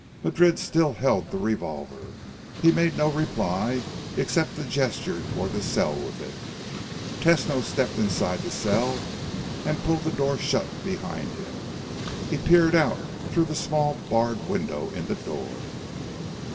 Madrid still held the revolver. He made no reply except to gesture toward the cell with it. Tesno stepped inside the cell and pulled the door shut behind him. He peered out through the small barred window in the door.